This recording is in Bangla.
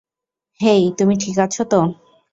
হেই, তুমি ঠিক আছো তো?